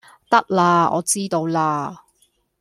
得喇我知道喇